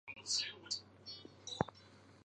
教区位于安卡什大区西部。